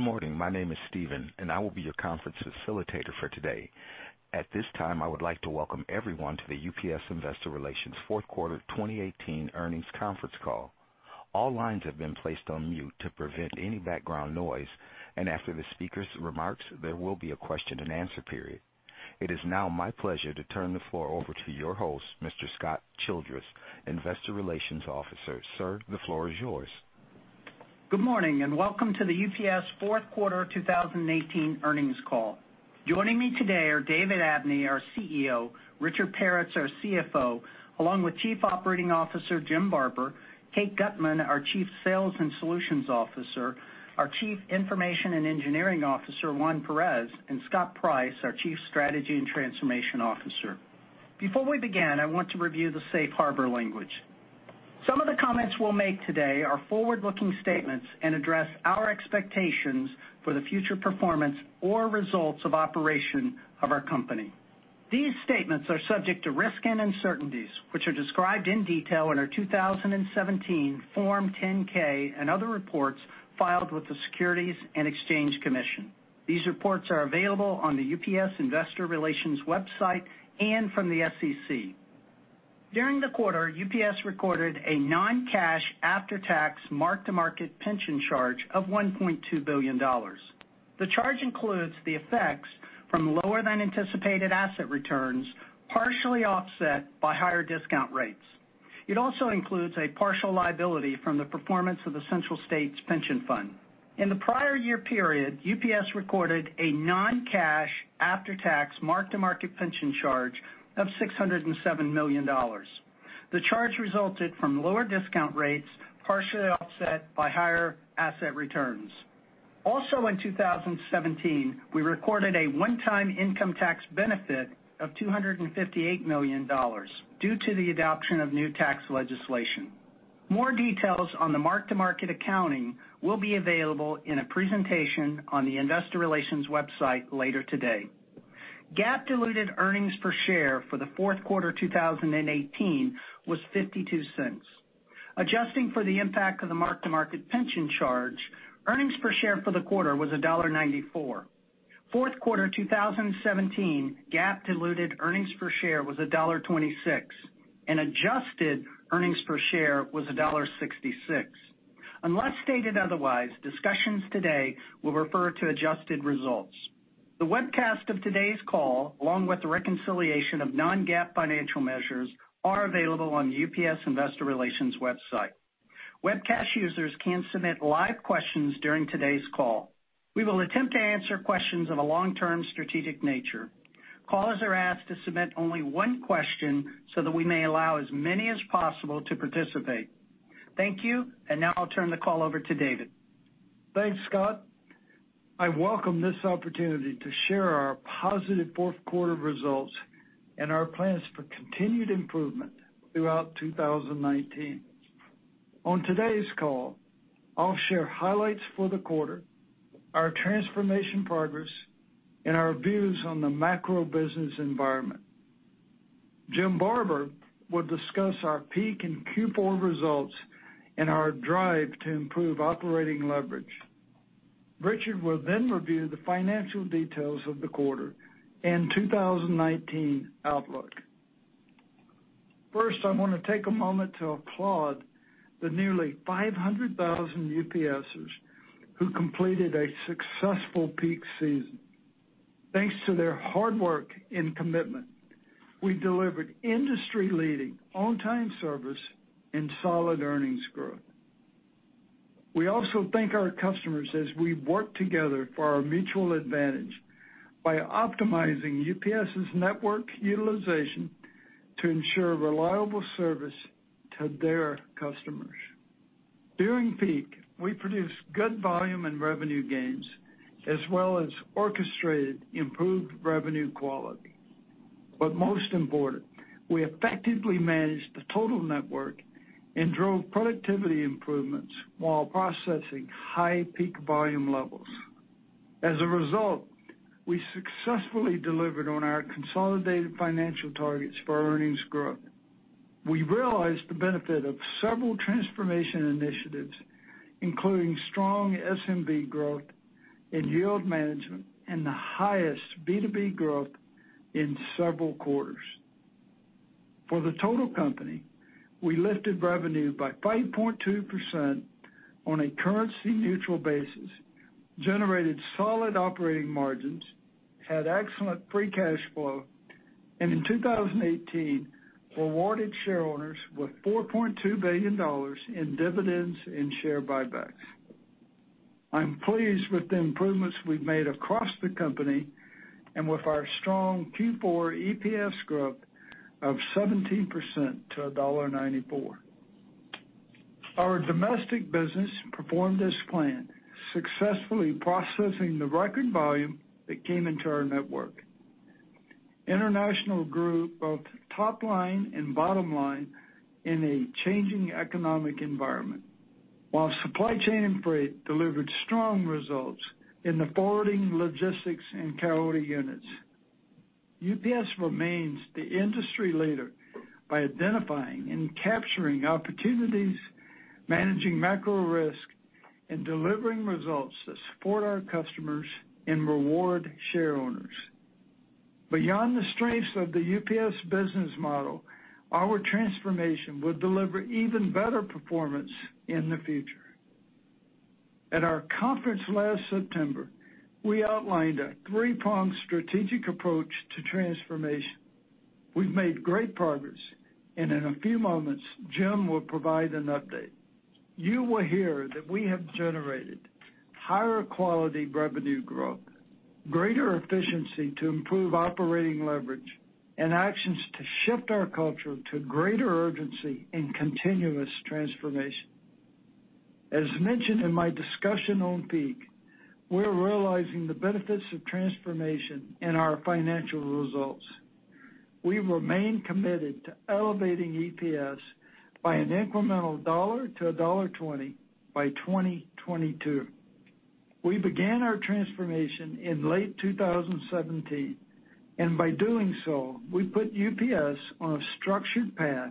Good morning. My name is Steven, and I will be your conference facilitator for today. At this time, I would like to Welcome everyone to the UPS Investor Relations fourth quarter 2018 earnings conference call. All lines have been placed on mute to prevent any background noise, and after the speaker's remarks, there will be a question and answer period. It is now my pleasure to turn the floor over to your host, Mr. Scott Childress, Investor Relations Officer. Sir, the floor is yours. Good morning, welcome to the UPS fourth quarter 2018 earnings call. Joining me today are David Abney, our CEO, Richard Peretz, our CFO, along with Chief Operating Officer Jim Barber, Kate Gutmann, our Chief Sales and Solutions Officer, our Chief Information and Engineering Officer, Juan Perez, and Scott Price, our Chief Strategy and Transformation Officer. Before we begin, I want to review the safe harbor language. Some of the comments we'll make today are forward-looking statements and address our expectations for the future performance or results of operation of our company. These statements are subject to risk and uncertainties, which are described in detail in our 2017 Form 10-K and other reports filed with the Securities and Exchange Commission. These reports are available on the UPS Investor Relations website and from the SEC. During the quarter, UPS recorded a non-cash after-tax mark-to-market pension charge of $1.2 billion. The charge includes the effects from lower than anticipated asset returns, partially offset by higher discount rates. It also includes a partial liability from the performance of the Central States Pension Fund. In the prior year period, UPS recorded a non-cash after-tax mark-to-market pension charge of $607 million. The charge resulted from lower discount rates, partially offset by higher asset returns. In 2017, we recorded a one-time income tax benefit of $258 million due to the adoption of new tax legislation. More details on the mark-to-market accounting will be available in a presentation on the Investor Relations website later today. GAAP diluted earnings per share for the fourth quarter 2018 was $0.52. Adjusting for the impact of the mark-to-market pension charge, earnings per share for the quarter was $1.94. Fourth quarter 2017 GAAP diluted earnings per share was $1.26, and adjusted earnings per share was $1.66. Unless stated otherwise, discussions today will refer to adjusted results. The webcast of today's call, along with the reconciliation of non-GAAP financial measures, are available on the UPS Investor Relations website. Webcast users can submit live questions during today's call. We will attempt to answer questions of a long-term strategic nature. Callers are asked to submit only one question so that we may allow as many as possible to participate. Thank you, and now I'll turn the call over to David. Thanks, Scott. I welcome this opportunity to share our positive fourth quarter results and our plans for continued improvement throughout 2019. On today's call, I'll share highlights for the quarter, our transformation progress, and our views on the macro business environment. Jim Barber will discuss our peak and Q4 results and our drive to improve operating leverage. Richard will then review the financial details of the quarter and 2019 outlook. First, I want to take a moment to applaud the nearly 500,000 UPSers who completed a successful peak season. Thanks to their hard work and commitment, we delivered industry-leading on-time service and solid earnings growth. We also thank our customers as we work together for our mutual advantage by optimizing UPS's network utilization to ensure reliable service to their customers. During peak, we produced good volume and revenue gains, as well as orchestrated improved revenue quality. Most important, we effectively managed the total network and drove productivity improvements while processing high peak volume levels. As a result, we successfully delivered on our consolidated financial targets for earnings growth. We realized the benefit of several transformation initiatives, including strong SMB growth and yield management and the highest B2B growth in several quarters. For the total company, we lifted revenue by 5.2% on a currency-neutral basis, generated solid operating margins, had excellent free cash flow, and in 2018, rewarded shareholders with $4.2 billion in dividends and share buybacks. I'm pleased with the improvements we've made across the company and with our strong Q4 EPS growth of 17% to $1.94. Our domestic business performed as planned, successfully processing the record volume that came into our network. International grew both top line and bottom line in a changing economic environment. While supply chain and freight delivered strong results in the forwarding logistics and carrier units. UPS remains the industry leader by identifying and capturing opportunities, managing macro risk, and delivering results that support our customers and reward shareowners. Beyond the strengths of the UPS business model, our transformation will deliver even better performance in the future. At our conference last September, we outlined a three-pronged strategic approach to transformation. We've made great progress, and in a few moments, Jim will provide an update. You will hear that we have generated higher quality revenue growth, greater efficiency to improve operating leverage, and actions to shift our culture to greater urgency and continuous transformation. As mentioned in my discussion on peak, we're realizing the benefits of transformation in our financial results. We remain committed to elevating EPS by an incremental $1-$1.20 by 2022. We began our transformation in late 2017, and by doing so, we put UPS on a structured path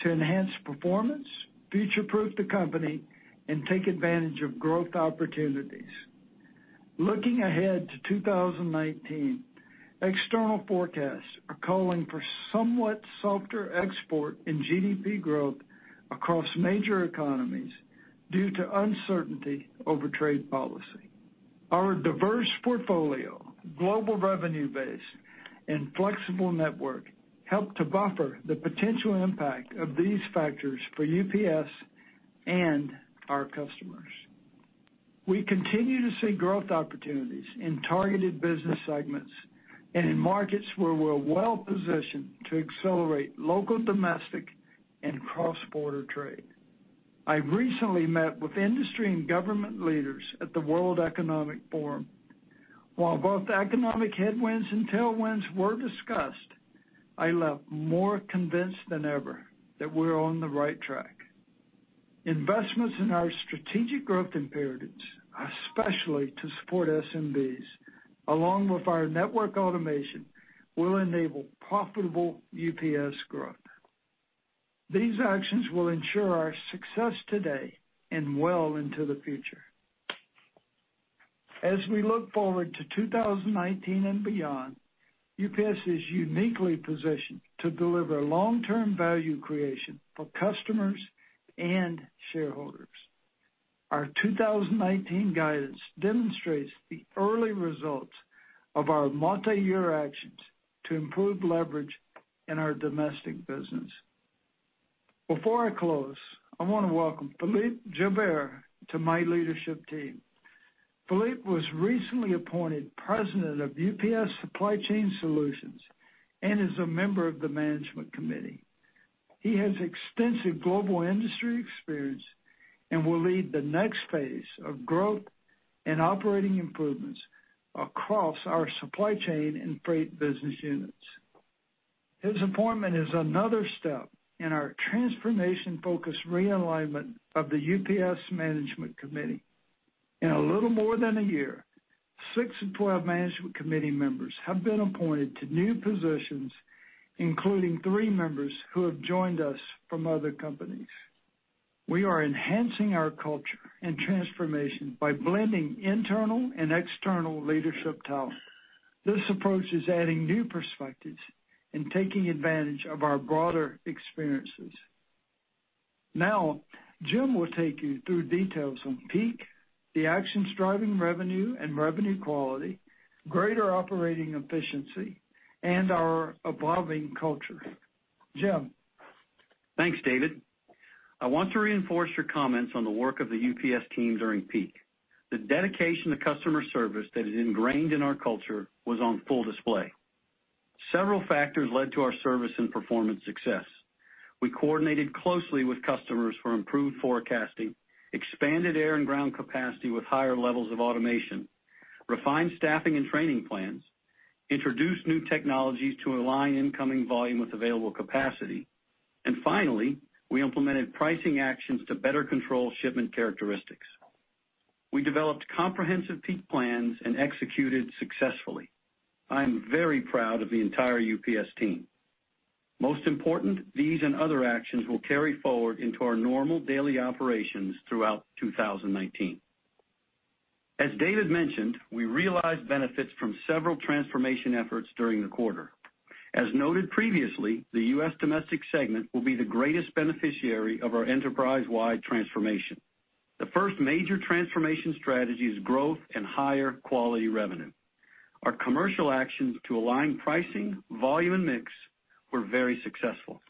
to enhance performance, future-proof the company, and take advantage of growth opportunities. Looking ahead to 2019, external forecasts are calling for somewhat softer export and GDP growth across major economies due to uncertainty over trade policy. Our diverse portfolio, global revenue base, and flexible network help to buffer the potential impact of these factors for UPS and our customers. We continue to see growth opportunities in targeted business segments and in markets where we're well-positioned to accelerate local, domestic, and cross-border trade. I recently met with industry and government leaders at the World Economic Forum. Both economic headwinds and tailwinds were discussed, I left more convinced than ever that we're on the right track. Investments in our strategic growth imperatives, especially to support SMBs, along with our network automation, will enable profitable UPS growth. These actions will ensure our success today and well into the future. As we look forward to 2019 and beyond, UPS is uniquely positioned to deliver long-term value creation for customers and shareholders. Our 2019 guidance demonstrates the early results of our multiyear actions to improve leverage in our domestic business. Before I close, I want to welcome Philippe Gilbert to my leadership team. Philippe was recently appointed President of UPS Supply Chain Solutions and is a member of the Management Committee. He has extensive global industry experience and will lead the next phase of growth and operating improvements across our supply chain and freight business units. His appointment is another step in our transformation-focused realignment of the UPS Management Committee. In a little more than a year, six of 12 Management Committee members have been appointed to new positions, including three members who have joined us from other companies. We are enhancing our culture and transformation by blending internal and external leadership talent. This approach is adding new perspectives and taking advantage of our broader experiences. Now, Jim will take you through details on peak, the actions driving revenue and revenue quality, greater operating efficiency, and our evolving culture. Jim? Thanks, David. I want to reinforce your comments on the work of the UPS team during peak. The dedication to customer service that is ingrained in our culture was on full display. Several factors led to our service and performance success. We coordinated closely with customers for improved forecasting, expanded air and ground capacity with higher levels of automation, refined staffing and training plans, introduced new technologies to align incoming volume with available capacity, and finally, we implemented pricing actions to better control shipment characteristics. We developed comprehensive peak plans and executed successfully. I am very proud of the entire UPS team. Most important, these and other actions will carry forward into our normal daily operations throughout 2019. As David mentioned, we realized benefits from several transformation efforts during the quarter. As noted previously, the U.S. domestic segment will be the greatest beneficiary of our enterprise-wide transformation. The first major transformation strategy is growth and higher quality revenue. Our commercial actions to align pricing, volume, and mix were very successful.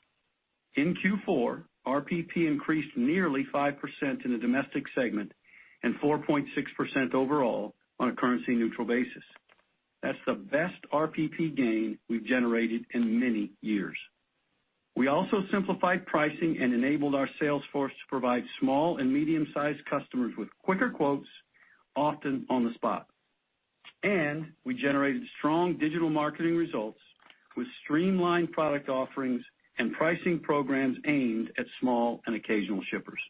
In Q4, RPP increased nearly 5% in the domestic segment and 4.6% overall on a currency-neutral basis. That's the best RPP gain we've generated in many years. We also simplified pricing and enabled our sales force to provide small and medium-sized customers with quicker quotes, often on the spot. We generated strong digital marketing results with streamlined product offerings and pricing programs aimed at small and occasional shippers.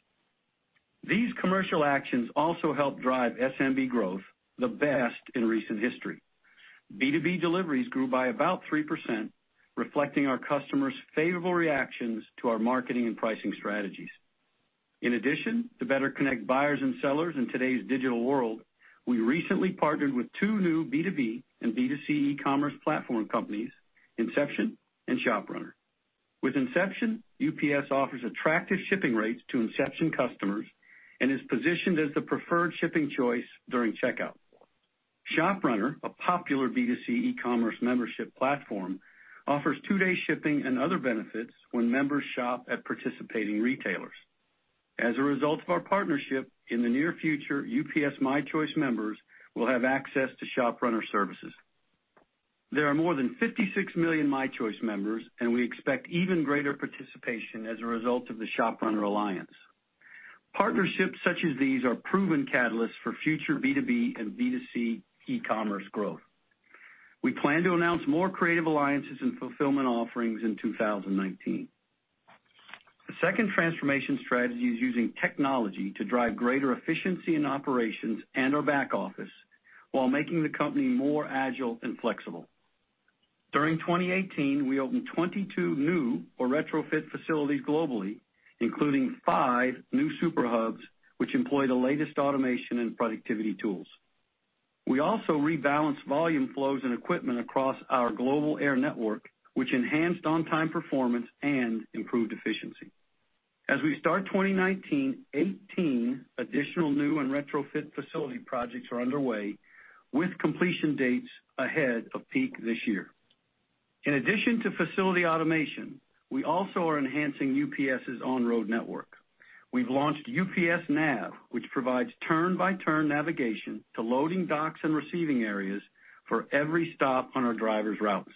These commercial actions also help drive SMB growth, the best in recent history. B2B deliveries grew by about 3%, reflecting our customers' favorable reactions to our marketing and pricing strategies. In addition, to better connect buyers and sellers in today's digital world, we recently partnered with two new B2B and B2C e-commerce platform companies, Inxeption and ShopRunner. With Inxeption, UPS offers attractive shipping rates to Inxeption customers and is positioned as the preferred shipping choice during checkout. ShopRunner, a popular B2C e-commerce membership platform, offers two-day shipping and other benefits when members shop at participating retailers. As a result of our partnership, in the near future, UPS My Choice members will have access to ShopRunner services. There are more than 56 million My Choice members, and we expect even greater participation as a result of the ShopRunner alliance. Partnerships such as these are proven catalysts for future B2B and B2C e-commerce growth. We plan to announce more creative alliances and fulfillment offerings in 2019. The second transformation strategy is using technology to drive greater efficiency in operations and our back office while making the company more agile and flexible. During 2018, we opened 22 new or retrofit facilities globally, including five new super hubs, which employ the latest automation and productivity tools. We also rebalanced volume flows and equipment across our global air network, which enhanced on-time performance and improved efficiency. As we start 2019, 18 additional new and retrofit facility projects are underway with completion dates ahead of peak this year. In addition to facility automation, we also are enhancing UPS's on-road network. We've launched UPSNav, which provides turn-by-turn navigation to loading docks and receiving areas for every stop on our drivers' routes.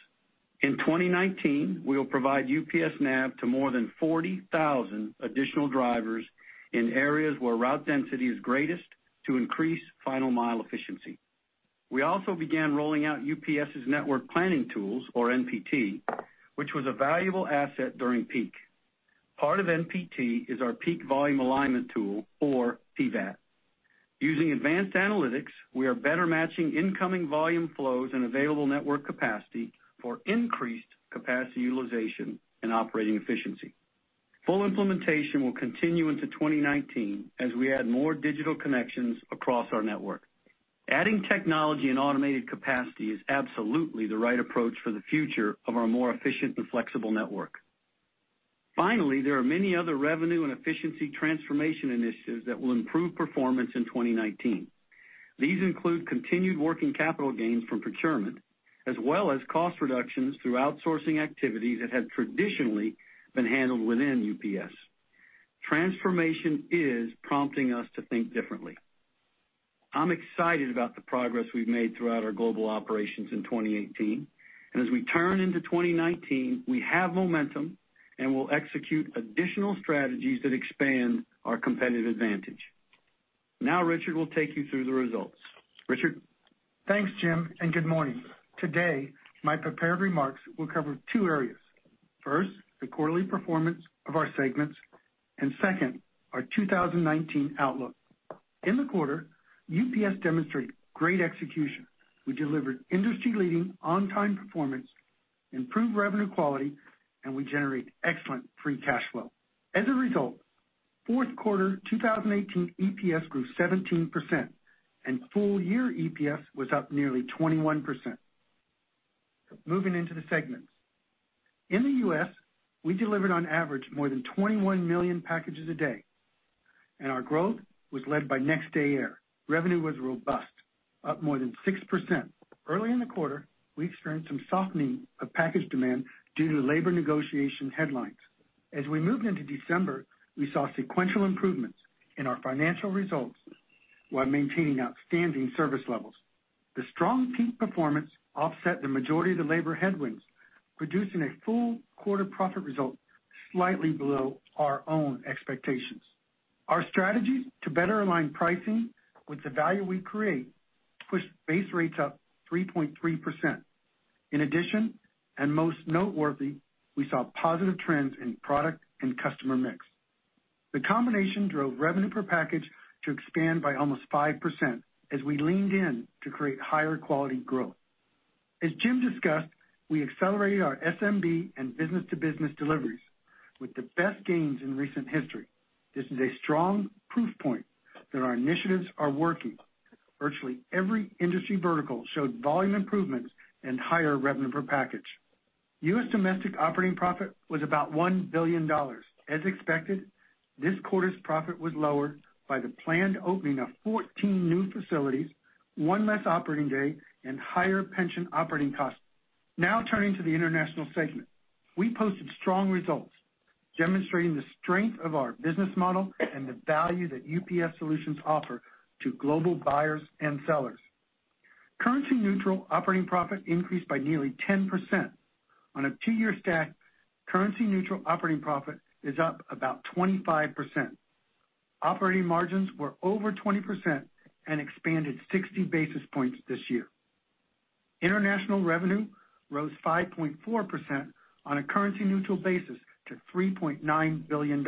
In 2019, we will provide UPSNav to more than 40,000 additional drivers in areas where route density is greatest to increase final mile efficiency. We also began rolling out UPS's Network Planning Tools or NPT, which was a valuable asset during peak. Part of NPT is our Peak Volume Alignment Tool, or PVAT. Using advanced analytics, we are better matching incoming volume flows and available network capacity for increased capacity utilization and operating efficiency. Full implementation will continue into 2019 as we add more digital connections across our network. Adding technology and automated capacity is absolutely the right approach for the future of our more efficient and flexible network. Finally, there are many other revenue and efficiency transformation initiatives that will improve performance in 2019. These include continued working capital gains from procurement, as well as cost reductions through outsourcing activities that have traditionally been handled within UPS. Transformation is prompting us to think differently. I'm excited about the progress we've made throughout our global operations in 2018, and as we turn into 2019, we have momentum and we'll execute additional strategies that expand our competitive advantage. Now Richard will take you through the results. Richard? Thanks, Jim, and good morning. Today, my prepared remarks will cover two areas. First, the quarterly performance of our segments, and second, our 2019 outlook. In the quarter, UPS demonstrated great execution. We delivered industry-leading on-time performance, improved revenue quality, and we generated excellent free cash flow. As a result, fourth quarter 2018 EPS grew 17%, and full year EPS was up nearly 21%. Moving into the segments. In the U.S., we delivered on average more than 21 million packages a day, and our growth was led by next-day air. Revenue was robust, up more than 6%. Early in the quarter, we experienced some softening of package demand due to labor negotiation headlines. As we moved into December, we saw sequential improvements in our financial results while maintaining outstanding service levels. The strong peak performance offset the majority of the labor headwinds, producing a full quarter profit result slightly below our own expectations. Our strategies to better align pricing with the value we create pushed base rates up 3.3%. In addition, and most noteworthy, we saw positive trends in product and customer mix. The combination drove revenue per package to expand by almost 5% as we leaned in to create higher quality growth. As Jim discussed, we accelerated our SMB and business-to-business deliveries with the best gains in recent history. This is a strong proof point that our initiatives are working. Virtually every industry vertical showed volume improvements and higher revenue per package. U.S. domestic operating profit was about $1 billion. As expected, this quarter's profit was lower by the planned opening of 14 new facilities, one less operating day, and higher pension operating costs. Now turning to the International segment. We posted strong results, demonstrating the strength of our business model and the value that UPS solutions offer to global buyers and sellers. Currency neutral operating profit increased by nearly 10%. On a two-year stack, currency neutral operating profit is up about 25%. Operating margins were over 20% and expanded 60 basis points this year. International revenue rose 5.4% on a currency neutral basis to $3.9 billion.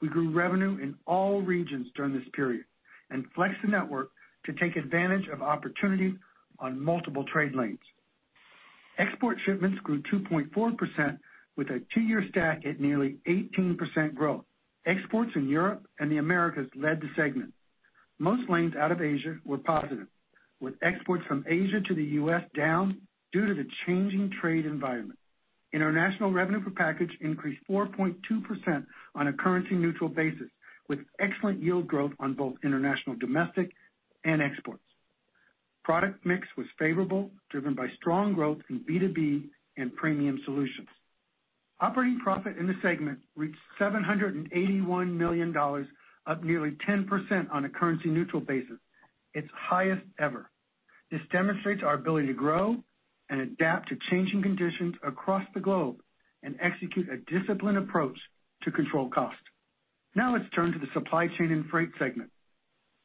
We grew revenue in all regions during this period and flexed the network to take advantage of opportunity on multiple trade lanes. Export shipments grew 2.4% with a two-year stack at nearly 18% growth. Exports in Europe and the Americas led the segment. Most lanes out of Asia were positive, with exports from Asia to the U.S. down due to the changing trade environment. International revenue per package increased 4.2% on a currency neutral basis, with excellent yield growth on both international, domestic, and exports. Product mix was favorable, driven by strong growth in B2B and premium solutions. Operating profit in the segment reached $781 million, up nearly 10% on a currency neutral basis, its highest ever. This demonstrates our ability to grow and adapt to changing conditions across the globe and execute a disciplined approach to control cost. Now let's turn to the supply chain and freight segment.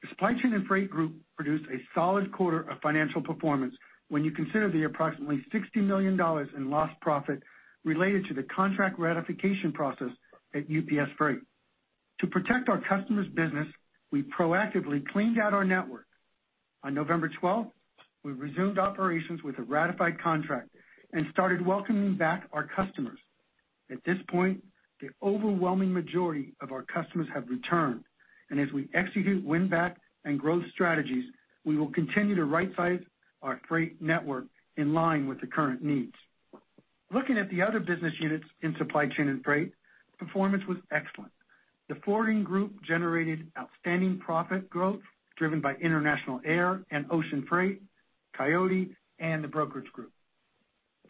The supply chain and freight group produced a solid quarter of financial performance when you consider the approximately $60 million in lost profit related to the contract ratification process at UPS Freight. To protect our customers' business, we proactively cleaned out our network. On November 12th, we resumed operations with a ratified contract and started welcoming back our customers. At this point, the overwhelming majority of our customers have returned, and as we execute win-back and growth strategies, we will continue to right size our freight network in line with the current needs. Looking at the other business units in supply chain and freight, performance was excellent. The forwarding group generated outstanding profit growth driven by international air and ocean freight, Coyote, and the brokerage group.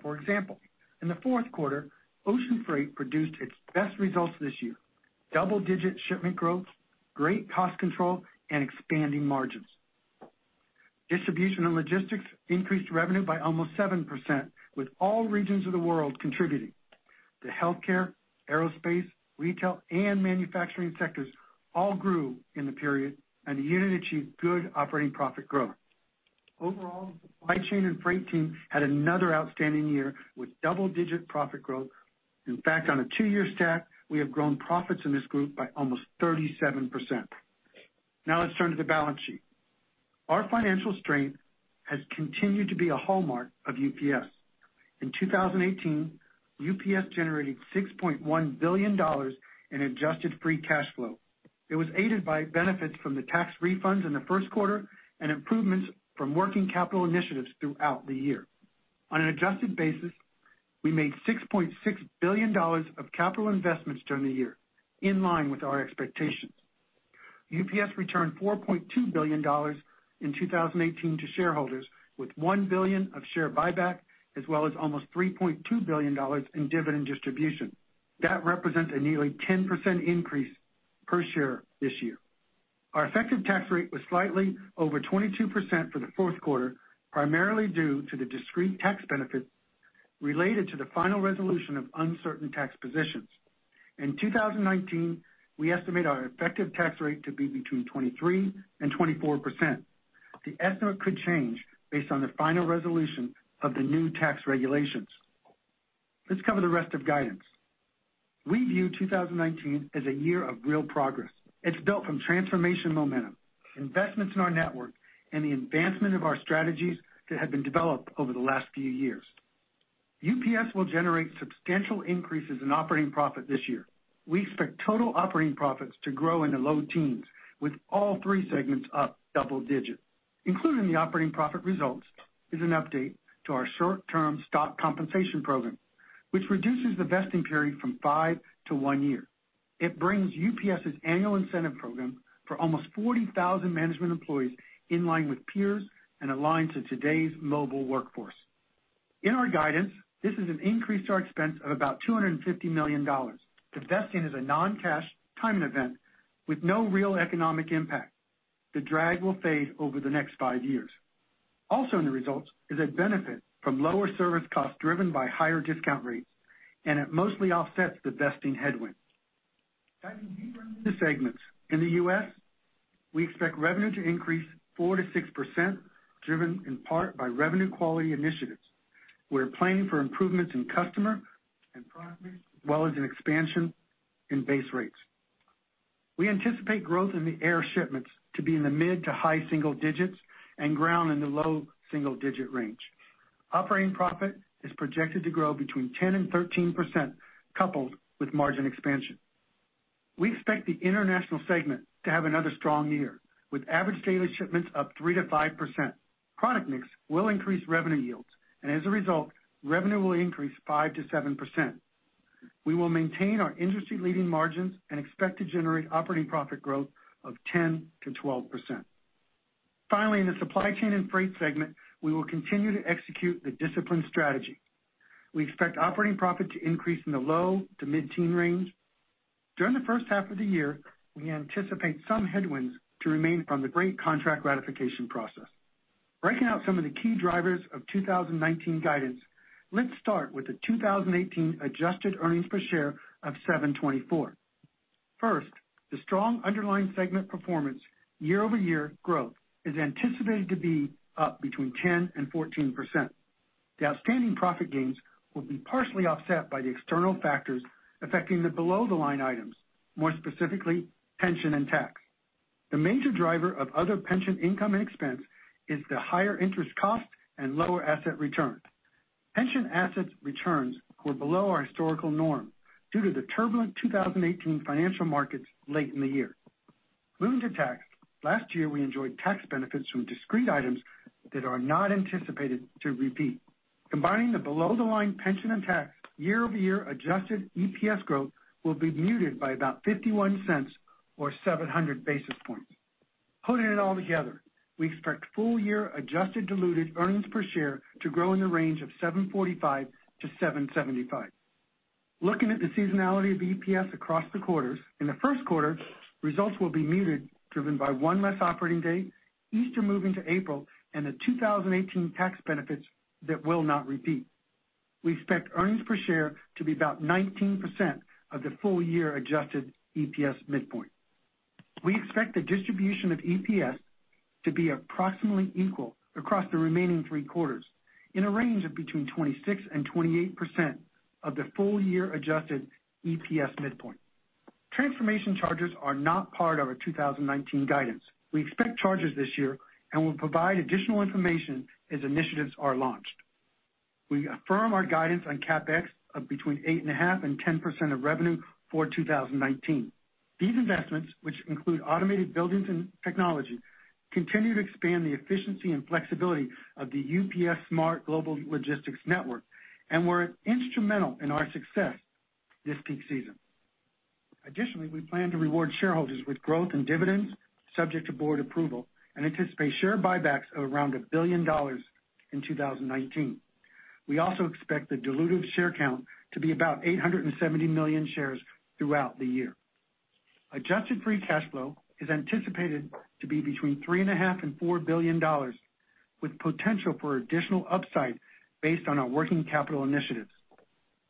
For example, in the fourth quarter, ocean freight produced its best results this year, double digit shipment growth, great cost control, and expanding margins. Distribution and logistics increased revenue by almost 7%, with all regions of the world contributing. The healthcare, aerospace, retail, and manufacturing sectors all grew in the period, and the unit achieved good operating profit growth. Overall, supply chain and freight team had another outstanding year with double digit profit growth. In fact, on a two-year stack, we have grown profits in this group by almost 37%. Now let's turn to the balance sheet. Our financial strength has continued to be a hallmark of UPS. In 2018, UPS generated $6.1 billion in adjusted free cash flow. It was aided by benefits from the tax refunds in the first quarter and improvements from working capital initiatives throughout the year. On an adjusted basis, we made $6.6 billion of capital investments during the year, in line with our expectations. UPS returned $4.2 billion in 2018 to shareholders with $1 billion of share buyback, as well as almost $3.2 billion in dividend distribution. That represents a nearly 10% increase per share this year. Our effective tax rate was slightly over 22% for the fourth quarter, primarily due to the discrete tax benefits related to the final resolution of uncertain tax positions. In 2019, we estimate our effective tax rate to be between 23%-24%. The estimate could change based on the final resolution of the new tax regulations. Let's cover the rest of guidance. We view 2019 as a year of real progress. It's built from transformation momentum, investments in our network, and the advancement of our strategies that have been developed over the last few years. UPS will generate substantial increases in operating profit this year. We expect total operating profits to grow in the low teens with all three segments up double digits. Including the operating profit results is an update to our short-term stock compensation program, which reduces the vesting period from five to one year. It brings UPS's annual incentive program for almost 40,000 management employees in line with peers and aligned to today's mobile workforce. In our guidance, this is an increase to our expense of about $250 million. The vesting is a non-cash timing event with no real economic impact. The drag will fade over the next 5 years. Also in the results is a benefit from lower service costs driven by higher discount rates, and it mostly offsets the vesting headwind. Diving deeper into the segments. In the U.S., we expect revenue to increase 4%-6%, driven in part by revenue quality initiatives. We're planning for improvements in customer and product mix, as well as an expansion in base rates. We anticipate growth in the air shipments to be in the mid-to-high single digits and ground in the low single-digit range. Operating profit is projected to grow between 10%-13% coupled with margin expansion. We expect the International segment to have another strong year with average daily shipments up 3%-5%. Product mix will increase revenue yields, and as a result, revenue will increase 5%-7%. We will maintain our industry-leading margins and expect to generate operating profit growth of 10%-12%. Finally, in the Supply Chain and Freight segment, we will continue to execute the disciplined strategy. We expect operating profit to increase in the low-to-mid teen range. During the first half of the year, we anticipate some headwinds to remain from the Freight contract ratification process. Breaking out some of the key drivers of 2019 guidance, let's start with the 2018 adjusted earnings per share of $7.24. First, the strong underlying segment performance year-over-year growth is anticipated to be up between 10%-14%. The outstanding profit gains will be partially offset by the external factors affecting the below-the-line items, more specifically, pension and tax. The major driver of other pension income and expense is the higher interest cost and lower asset return. Pension asset returns were below our historical norm due to the turbulent 2018 financial markets late in the year. Moving to tax, last year, we enjoyed tax benefits from discrete items that are not anticipated to repeat. Combining the below-the-line pension and tax year-over-year adjusted EPS growth will be muted by about $0.51 or 700 basis points. Putting it all together, we expect full-year adjusted diluted earnings per share to grow in the range of $7.45-$7.75. Looking at the seasonality of EPS across the quarters, in the first quarter, results will be muted, driven by one less operating day, Easter moving to April, and the 2018 tax benefits that will not repeat. We expect earnings per share to be about 19% of the full-year adjusted EPS midpoint. We expect the distribution of EPS to be approximately equal across the remaining three quarters in a range of between 26%-28% of the full-year adjusted EPS midpoint. Transformation charges are not part of our 2019 guidance. We expect charges this year and will provide additional information as initiatives are launched. We affirm our guidance on CapEx of between 8.5%-10% of revenue for 2019. These investments, which include automated buildings and technology, continue to expand the efficiency and flexibility of the UPS Smart Global Logistics Network and were instrumental in our success this peak season. Additionally, we plan to reward shareholders with growth and dividends subject to board approval and anticipate share buybacks of around $1 billion in 2019. We also expect the dilutive share count to be about 870 million shares throughout the year. Adjusted free cash flow is anticipated to be between $3.5 billion-$4 billion, with potential for additional upside based on our working capital initiatives.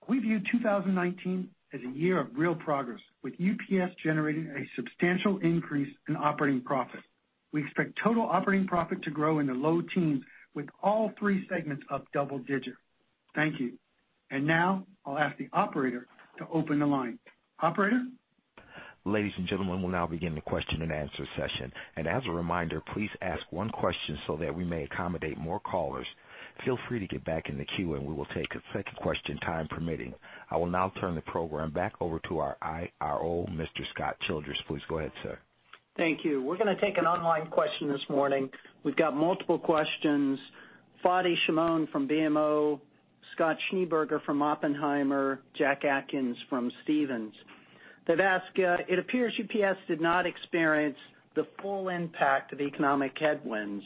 We view 2019 as a year of real progress, with UPS generating a substantial increase in operating profit. We expect total operating profit to grow in the low teens, with all three segments up double digits. Thank you. Now I'll ask the operator to open the line. Operator? Ladies and gentlemen, we'll now begin the question and answer session. As a reminder, please ask one question so that we may accommodate more callers. Feel free to get back in the queue, we will take a second question, time permitting. I will now turn the program back over to our IRO, Mr. Scott Childress. Please go ahead, sir. Thank you. We're going to take an online question this morning. We've got multiple questions. Fadi Chamoun from BMO, Scott Schneeberger from Oppenheimer, Jack Atkins from Stephens. They've asked, "It appears UPS did not experience the full impact of economic headwinds.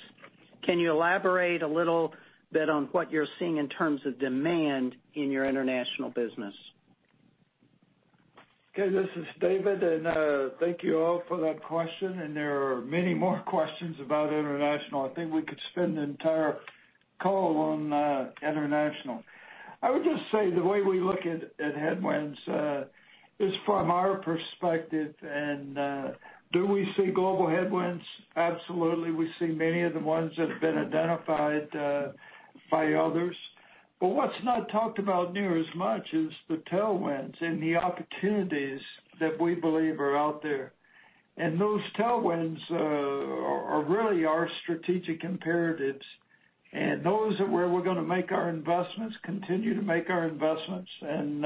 Can you elaborate a little bit on what you're seeing in terms of demand in your international business? Okay, this is David. Thank you all for that question. There are many more questions about international. I think we could spend an entire call on international. I would just say the way we look at headwinds is from our perspective. Do we see global headwinds? Absolutely. We see many of the ones that have been identified by others. What's not talked about near as much is the tailwinds and the opportunities that we believe are out there. Those tailwinds are really our strategic imperatives, and those are where we're going to make our investments, continue to make our investments, and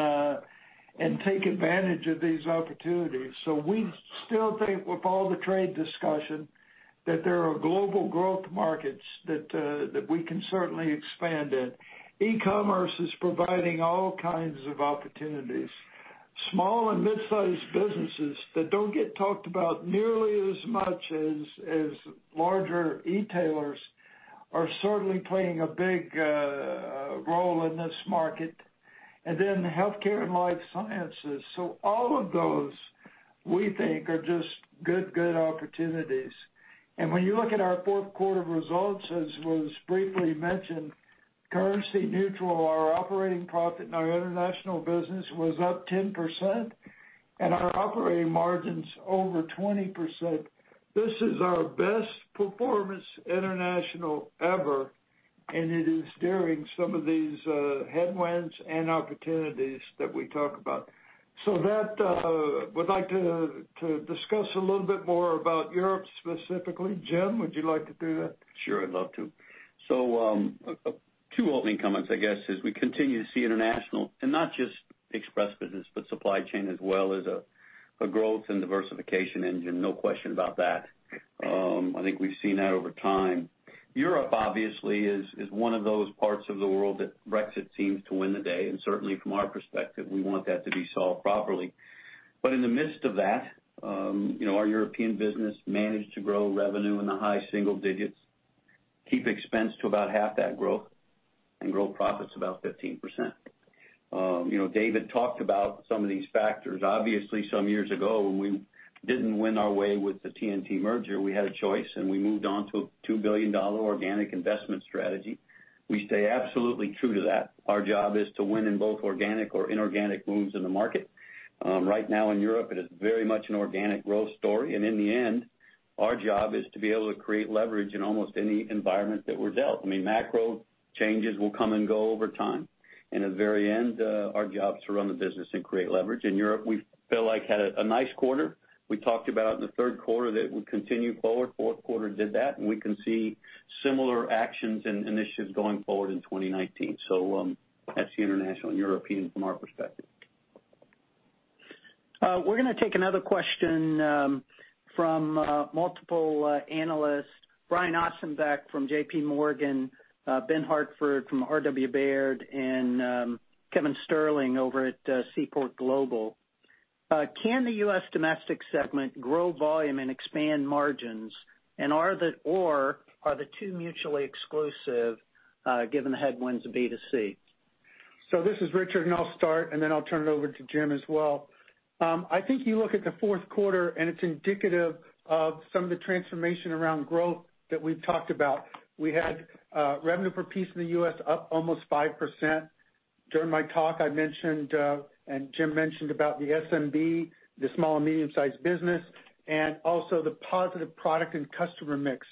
take advantage of these opportunities. We still think with all the trade discussion, that there are global growth markets that we can certainly expand in. E-commerce is providing all kinds of opportunities. Small and mid-sized businesses that don't get talked about nearly as much as larger e-tailers are certainly playing a big role in this market, and then healthcare and life sciences. All of those, we think, are just good opportunities. When you look at our fourth quarter results, as was briefly mentioned, currency neutral, our operating profit in our international business was up 10%, and our operating margins over 20%. This is our best performance international ever, and it is during some of these headwinds and opportunities that we talk about. With that, would like to discuss a little bit more about Europe specifically. Jim, would you like to do that? Sure, I'd love to. Two opening comments, I guess. As we continue to see international, and not just express business, but supply chain as well as a growth and diversification engine, no question about that. I think we've seen that over time. Europe, obviously, is one of those parts of the world that Brexit seems to win the day, and certainly from our perspective, we want that to be solved properly. In the midst of that, our European business managed to grow revenue in the high single digits, keep expense to about half that growth, and grow profits about 15%. David talked about some of these factors. Obviously, some years ago when we didn't win our way with the TNT merger. We had a choice, and we moved on to a $2 billion organic investment strategy. We stay absolutely true to that. Our job is to win in both organic or inorganic moves in the market. Right now in Europe, it is very much an organic growth story. In the end, our job is to be able to create leverage in almost any environment that we're dealt. Macro changes will come and go over time. In the very end, our job is to run the business and create leverage. In Europe, we feel like had a nice quarter. We talked about in the third quarter that it would continue forward. Fourth quarter did that. We can see similar actions and initiatives going forward in 2019. That's the international and European from our perspective. We're going to take another question from multiple analysts, Brian Ossenbeck from JPMorgan, Ben Hartford from RW Baird, and Kevin Sterling over at Seaport Global. Can the U.S. domestic segment grow volume and expand margins? Are the two mutually exclusive given the headwinds of B2C? This is Richard. I'll start. Then I'll turn it over to Jim as well. I think you look at the fourth quarter. It's indicative of some of the transformation around growth that we've talked about. We had revenue per piece in the U.S. up almost 5%. During my talk, I mentioned, Jim mentioned about the SMB, the small and medium-sized business, and also the positive product and customer mix.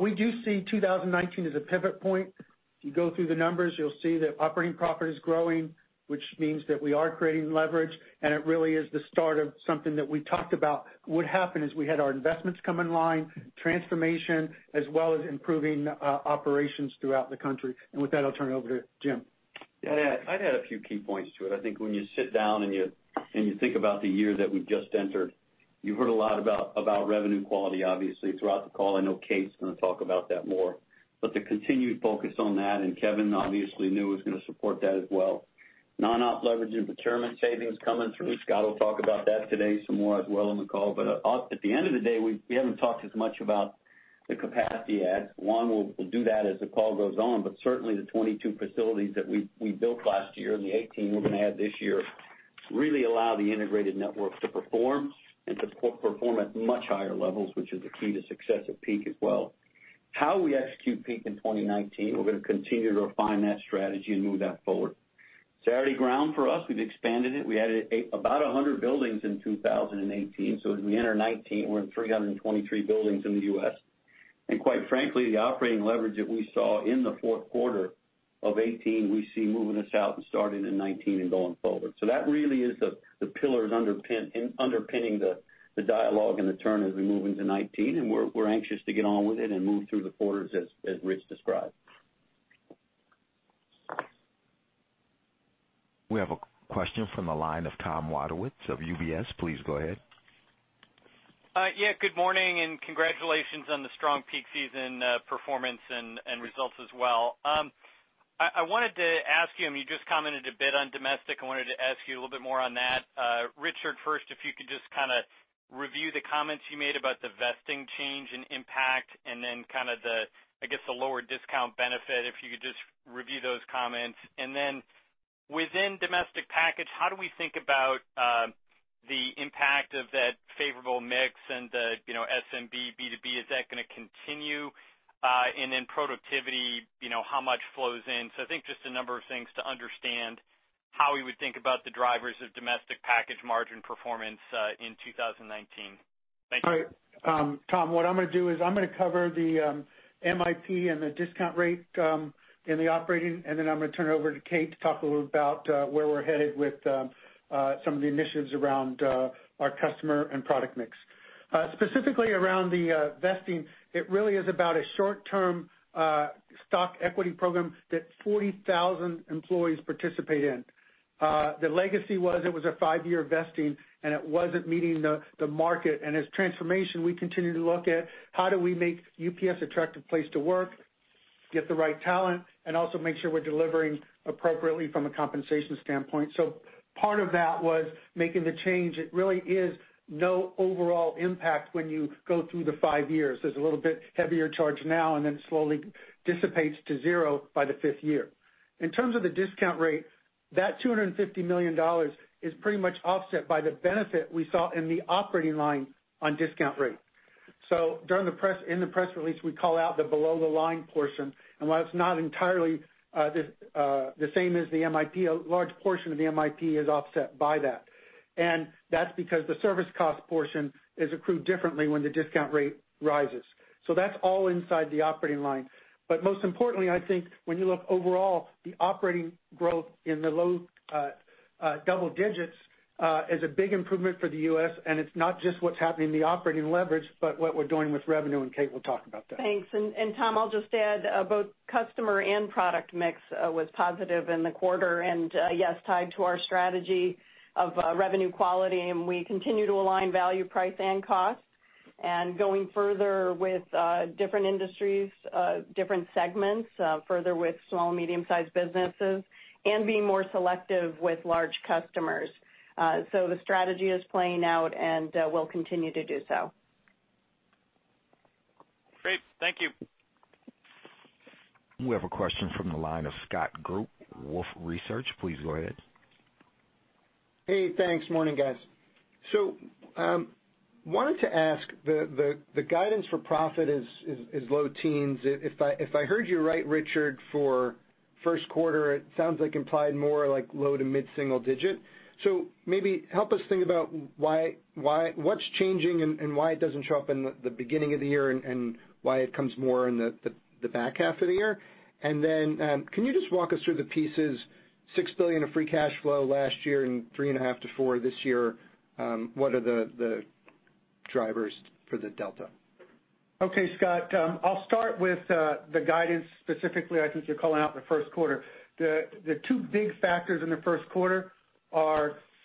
We do see 2019 as a pivot point. If you go through the numbers, you'll see that operating profit is growing, which means that we are creating leverage. It really is the start of something that we talked about. What happened is we had our investments come in line, transformation, as well as improving operations throughout the country. With that, I'll turn it over to Jim. Yeah. I'd add a few key points to it. I think when you sit down and you think about the year that we've just entered, you've heard a lot about revenue quality, obviously, throughout the call. I know Kate's going to talk about that more. The continued focus on that, Kevin obviously knew was going to support that as well. Non-op leverage and procurement savings coming through. Scott will talk about that today some more as well on the call. At the end of the day, we haven't talked as much about the capacity add. One, we'll do that as the call goes on. Certainly the 22 facilities that we built last year and the 18 we're going to add this year really allow the integrated network to perform and to perform at much higher levels, which is the key to success at peak as well. How we execute peak in 2019, we're going to continue to refine that strategy and move that forward. It's already ground for us. We've expanded it. We added about 100 buildings in 2018. As we enter 2019, we're in 323 buildings in the U.S. Quite frankly, the operating leverage that we saw in the fourth quarter of 2018, we see moving us out and starting in 2019 and going forward. That really is the pillars underpinning the dialogue and the turn as we move into 2019, and we're anxious to get on with it and move through the quarters as Richard described. We have a question from the line of Tom Wadewitz of UBS. Please go ahead. Good morning, congratulations on the strong peak season performance and results as well. I wanted to ask you, and you just commented a bit on domestic. I wanted to ask you a little bit more on that. Richard, first, if you could just review the comments you made about the vesting change and impact, then the lower discount benefit, if you could just review those comments. Within domestic package, how do we think about the impact of that favorable mix and the SMB B2B? Is that going to continue? Then productivity, how much flows in? I think just a number of things to understand how we would think about the drivers of domestic package margin performance in 2019. Thank you. All right. Tom, what I'm going to do is I'm going to cover the MIP and the discount rate in the operating, then I'm going to turn it over to Kate to talk a little about where we're headed with some of the initiatives around our customer and product mix. Specifically around the vesting, it really is about a short-term stock equity program that 40,000 employees participate in. The legacy was it was a five-year vesting, and it wasn't meeting the market. As transformation, we continue to look at how do we make UPS attractive place to work, get the right talent, and also make sure we're delivering appropriately from a compensation standpoint. Part of that was making the change. It really is no overall impact when you go through the five years. There's a little bit heavier charge now, then it slowly dissipates to zero by the fifth year. In terms of the discount rate, that $250 million is pretty much offset by the benefit we saw in the operating line on discount rate. In the press release, we call out the below the line portion. While it's not entirely the same as the MIP, a large portion of the MIP is offset by that. That's because the service cost portion is accrued differently when the discount rate rises. That's all inside the operating line. Most importantly, I think when you look overall, the operating growth in the low double digits is a big improvement for the U.S., and it's not just what's happening in the operating leverage, but what we're doing with revenue, and Kate will talk about that. Thanks. Tom, I'll just add both customer and product mix was positive in the quarter. Yes, tied to our strategy of revenue quality. We continue to align value, price, and cost. Going further with different industries, different segments, further with small, medium-sized businesses, and being more selective with large customers. The strategy is playing out and will continue to do so. Great. Thank you. We have a question from the line of Scott Group, Wolfe Research. Please go ahead. Hey, thanks. Morning, guys. Wanted to ask, the guidance for profit is low teens. If I heard you right, Richard, for first quarter, it sounds like implied more like low to mid-single digit. Maybe help us think about what's changing and why it doesn't show up in the beginning of the year and why it comes more in the back half of the year. Can you just walk us through the pieces, $6 billion of free cash flow last year and $3.5 billion-$4 billion this year. What are the drivers for the delta? Okay, Scott. I'll start with the guidance specifically, I think you're calling out the first quarter. The two big factors in the first quarter are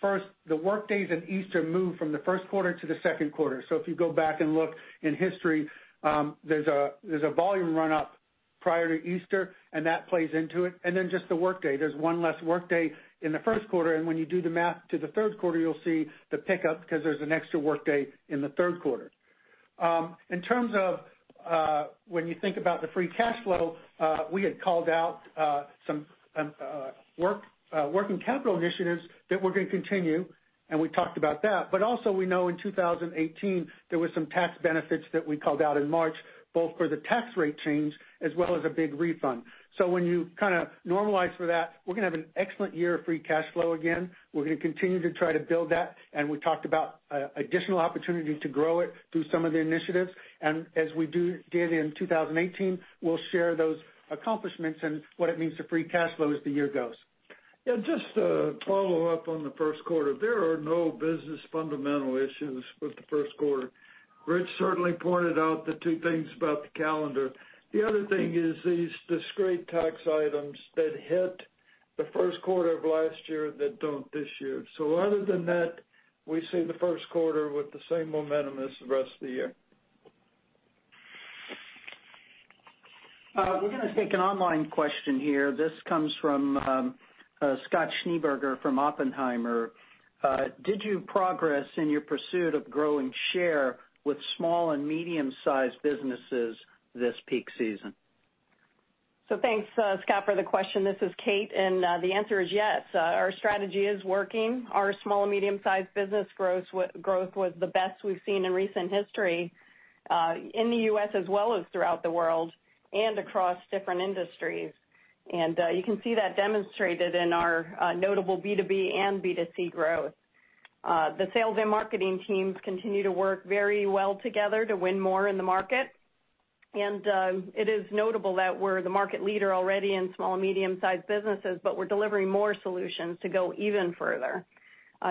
first, the workdays and Easter move from the first quarter to the second quarter. If you go back and look in history, there's a volume run-up prior to Easter, and that plays into it. Just the workday. There's one less workday in the first quarter, and when you do the math to the third quarter, you'll see the pickup because there's an extra workday in the third quarter. In terms of when you think about the free cash flow, we had called out some working capital initiatives that we're going to continue, and we talked about that. Also we know in 2018, there was some tax benefits that we called out in March, both for the tax rate change as well as a big refund. When you kind of normalize for that, we're going to have an excellent year of free cash flow again. We're going to continue to try to build that, and we talked about additional opportunity to grow it through some of the initiatives. As we did in 2018, we'll share those accomplishments and what it means to free cash flow as the year goes. Yeah, just to follow up on the first quarter, there are no business fundamental issues with the first quarter. Rich certainly pointed out the two things about the calendar. The other thing is these discrete tax items that hit the first quarter of last year that don't this year. Other than that, we see the first quarter with the same momentum as the rest of the year. We're going to take an online question here. This comes from Scott Schneeberger from Oppenheimer. Did you progress in your pursuit of growing share with small and medium-sized businesses this peak season? Thanks, Scott, for the question. This is Kate, and the answer is yes. Our strategy is working. Our small and medium-sized business growth was the best we've seen in recent history, in the U.S. as well as throughout the world and across different industries. You can see that demonstrated in our notable B2B and B2C growth. The sales and marketing teams continue to work very well together to win more in the market. It is notable that we're the market leader already in small and medium-sized businesses, but we're delivering more solutions to go even further.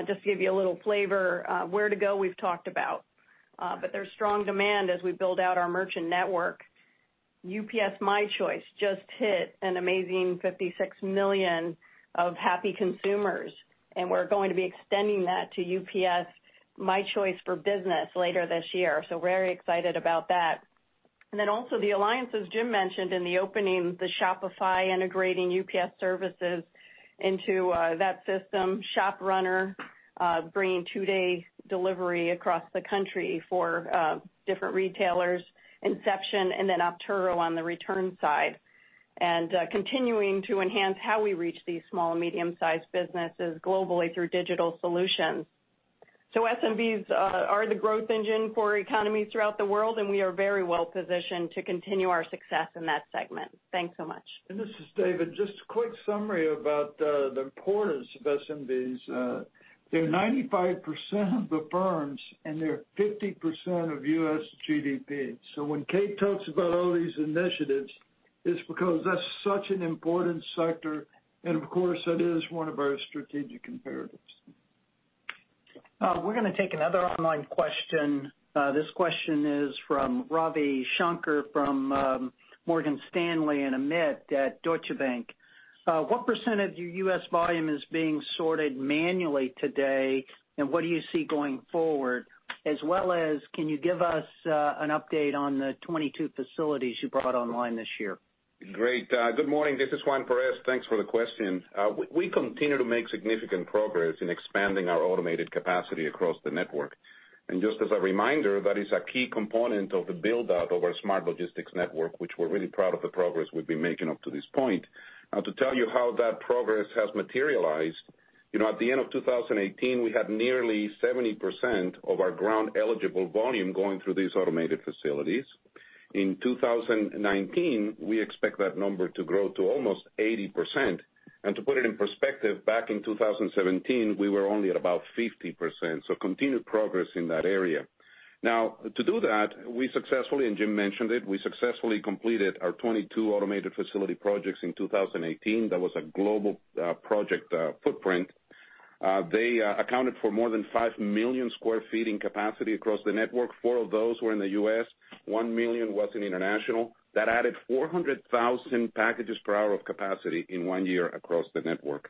Just to give you a little flavor, Ware2Go, we've talked about. There's strong demand as we build out our merchant network. UPS My Choice just hit an amazing 56 million of happy consumers, and we're going to be extending that to UPS My Choice for Business later this year, very excited about that. Also the alliances Jim mentioned in the opening, the Shopify integrating UPS services into that system, ShopRunner bringing two-day delivery across the country for different retailers, Inxeption, and Optoro on the returns side. Continuing to enhance how we reach these small and medium-sized businesses globally through digital solutions. SMBs are the growth engine for economies throughout the world, and we are very well positioned to continue our success in that segment. Thanks so much. This is David. Just a quick summary about the importance of SMBs. They're 95% of the firms, and they're 50% of U.S. GDP. When Kate talks about all these initiatives, it's because that's such an important sector. Of course, that is one of our strategic imperatives. We're going to take another online question. This question is from Ravi Shanker from Morgan Stanley and Amit Mehrotra at Deutsche Bank. What % of your U.S. volume is being sorted manually today, and what do you see going forward? As well as can you give us an update on the 22 facilities you brought online this year? Great. Good morning. This is Juan Perez. Thanks for the question. We continue to make significant progress in expanding our automated capacity across the network. Just as a reminder, that is a key component of the build-out of our Smart Global Logistics Network, which we're really proud of the progress we've been making up to this point. To tell you how that progress has materialized, at the end of 2018, we had nearly 70% of our ground-eligible volume going through these automated facilities. In 2019, we expect that number to grow to almost 80%. To put it in perspective, back in 2017, we were only at about 50%, so continued progress in that area. To do that, we successfully, and Jim mentioned it, we successfully completed our 22 automated facility projects in 2018. That was a global project footprint. They accounted for more than 5 million sq ft in capacity across the network. Four of those were in the U.S., 1 million was in international. That added 400,000 packages per hour of capacity in one year across the network.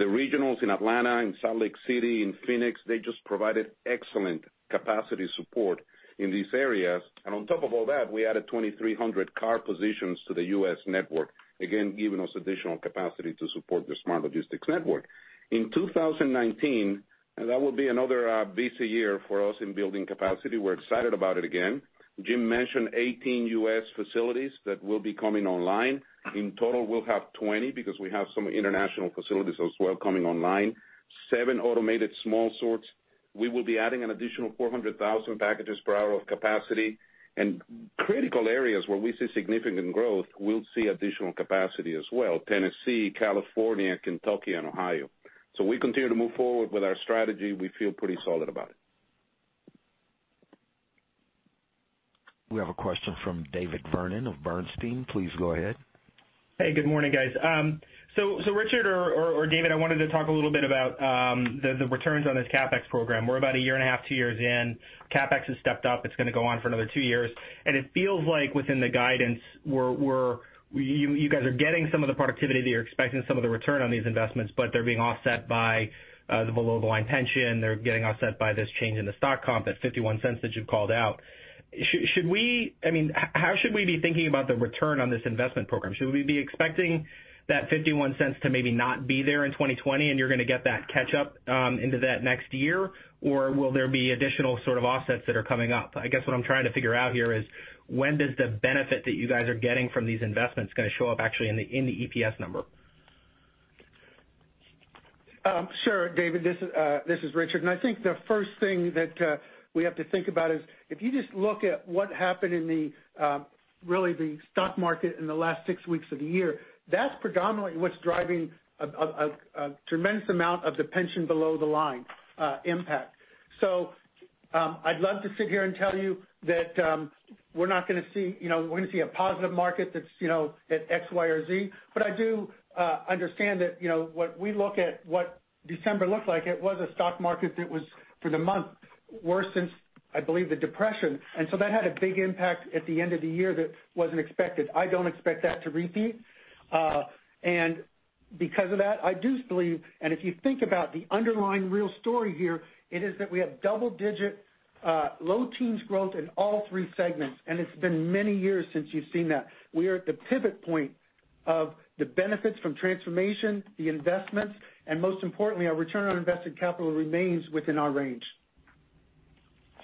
The regionals in Atlanta and Salt Lake City and Phoenix, they just provided excellent capacity support in these areas. On top of all that, we added 2,300 car positions to the U.S. network, again, giving us additional capacity to support the Smart Global Logistics Network. In 2019, that will be another busy year for us in building capacity. We're excited about it again. Jim mentioned 18 U.S. facilities that will be coming online. In total, we'll have 20 because we have some international facilities as well coming online. seven automated small sorts We will be adding an additional 400,000 packages per hour of capacity. Critical areas where we see significant growth, we'll see additional capacity as well, Tennessee, California, Kentucky, and Ohio. We continue to move forward with our strategy. We feel pretty solid about it. We have a question from David Vernon of Sanford C. Bernstein & Co. Please go ahead. Hey, good morning, guys. Richard or David, I wanted to talk a little bit about the returns on this CapEx program. We're about a year and a half, two years in. CapEx has stepped up. It's going to go on for another two years, and it feels like within the guidance, you guys are getting some of the productivity that you're expecting, some of the return on these investments, but they're being offset by the below-the-line pension. They're getting offset by this change in the stock comp, that $0.51 that you've called out. How should we be thinking about the return on this investment program? Should we be expecting that $0.51 to maybe not be there in 2020, and you're going to get that catch-up into that next year? Will there be additional sort of offsets that are coming up? I guess what I'm trying to figure out here is when does the benefit that you guys are getting from these investments going to show up actually in the EPS number? Sure, David. This is Richard. I think the first thing that we have to think about is if you just look at what happened in the stock market in the last six weeks of the year, that's predominantly what's driving a tremendous amount of the pension below the line impact. I'd love to sit here and tell you that we're going to see a positive market that's at X, Y, or Z. I do understand that when we look at what December looked like, it was a stock market that was, for the month, worse since, I believe, the Depression. That had a big impact at the end of the year that wasn't expected. I don't expect that to repeat. Because of that, I do believe, and if you think about the underlying real story here, it is that we have double-digit, low teens growth in all three segments, and it's been many years since you've seen that. We are at the pivot point of the benefits from transformation, the investments, and most importantly, our return on invested capital remains within our range.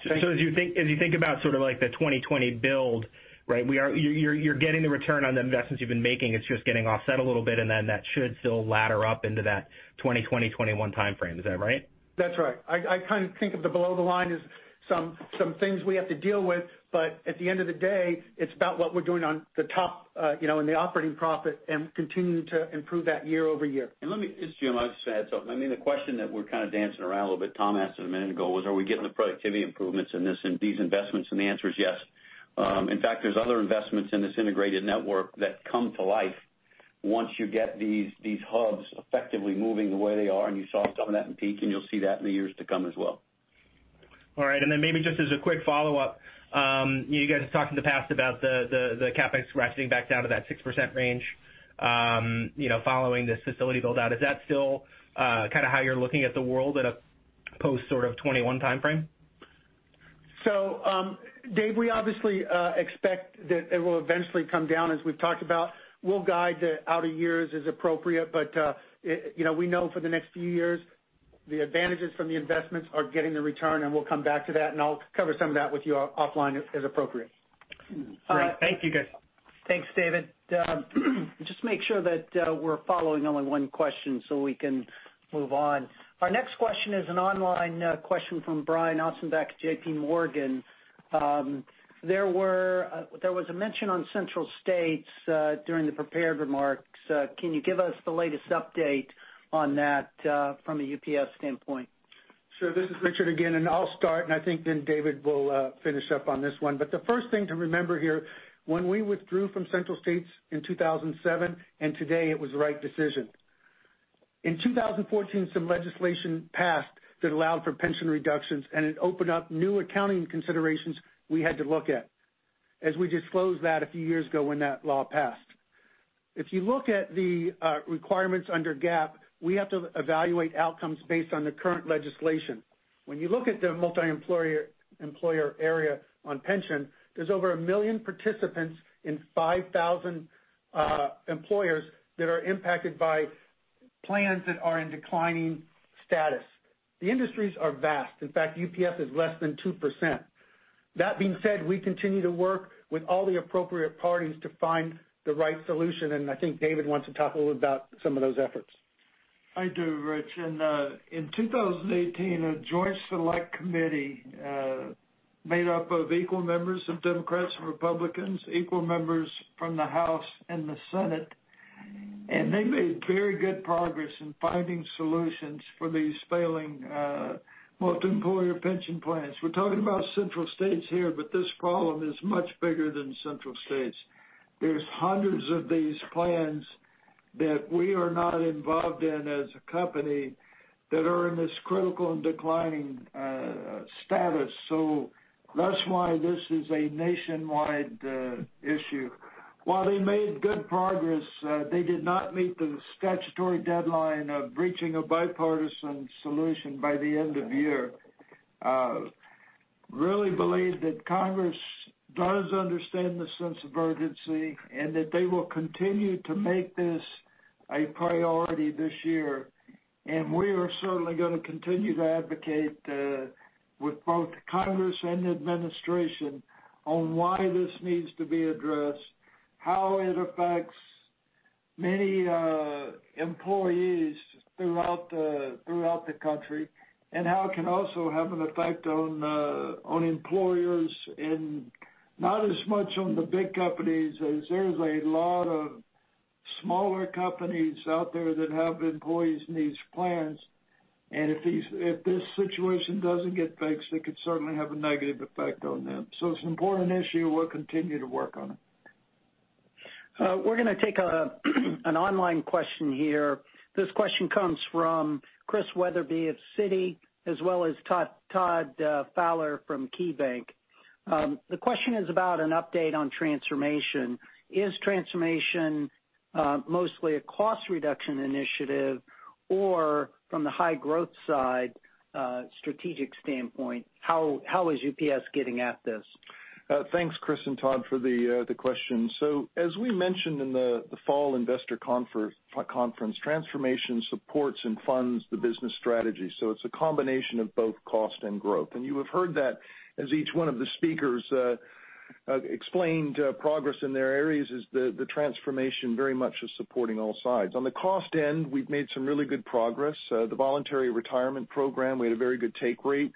As you think about the 2020 build, you're getting the return on the investments you've been making. It's just getting offset a little bit, then that should still ladder up into that 2020, 2021 time frame. Is that right? That's right. I kind of think of the below the line as some things we have to deal with, at the end of the day, it's about what we're doing on the top in the operating profit and continuing to improve that year-over-year. Let me, it's Jim. I'll just add something. I mean, the question that we're kind of dancing around a little bit, Tom asked it a minute ago, was are we getting the productivity improvements in these investments, the answer is yes. In fact, there's other investments in this integrated network that come to life once you get these hubs effectively moving the way they are, you saw some of that in peak, you'll see that in the years to come as well. All right. Then maybe just as a quick follow-up. You guys have talked in the past about the CapEx ratcheting back down to that 6% range following this facility build-out. Is that still kind of how you're looking at the world in a post sort of 2021 timeframe? David, we obviously expect that it will eventually come down, as we've talked about. We'll guide out of years as appropriate, but we know for the next few years, the advantages from the investments are getting the return, and we'll come back to that, and I'll cover some of that with you offline as appropriate. Great. Thank you, guys. Thanks, David. Just make sure that we're following only one question so we can move on. Our next question is an online question from Brian Ossenbeck at JPMorgan. There was a mention on Central States during the prepared remarks. Can you give us the latest update on that from a UPS standpoint? Sure. This is Richard again, and I'll start, and I think then David will finish up on this one. The first thing to remember here, when we withdrew from Central States in 2007, and today, it was the right decision. In 2014, some legislation passed that allowed for pension reductions, and it opened up new accounting considerations we had to look at, as we disclosed that a few years ago when that law passed. If you look at the requirements under GAAP, we have to evaluate outcomes based on the current legislation. When you look at the multi-employer area on pension, there's over 1 million participants and 5,000 employers that are impacted by plans that are in declining status. The industries are vast. In fact, UPS is less than 2%. That being said, we continue to work with all the appropriate parties to find the right solution, and I think David wants to talk a little about some of those efforts. I do, Richard. In 2018, a joint select committee made up of equal members of Democrats and Republicans, equal members from the House and the Senate, and they made very good progress in finding solutions for these failing multi-employer pension plans. We're talking about Central States here, but this problem is much bigger than Central States. There's hundreds of these plans that we are not involved in as a company that are in this critical and declining status. That's why this is a nationwide issue. While they made good progress, they did not meet the statutory deadline of reaching a bipartisan solution by the end of the year. We really believe that Congress does understand the sense of urgency and that they will continue to make this a priority this year. We are certainly going to continue to advocate with both Congress and the administration on why this needs to be addressed, how it affects many employees throughout the country and how it can also have an effect on employers and not as much on the big companies as there's a lot of smaller companies out there that have employees in these plans. If this situation doesn't get fixed, it could certainly have a negative effect on them. It's an important issue. We'll continue to work on it. We're going to take an online question here. This question comes from Chris Wetherbee of Citi, as well as Todd Fowler from KeyBanc. The question is about an update on transformation. Is transformation mostly a cost reduction initiative, or from the high growth side, strategic standpoint, how is UPS getting at this? Thanks, Chris and Todd, for the question. As we mentioned in the fall investor conference, transformation supports and funds the business strategy. It's a combination of both cost and growth. You have heard that as each one of the speakers explained progress in their areas is the transformation very much is supporting all sides. On the cost end, we've made some really good progress. The voluntary retirement program, we had a very good take rate.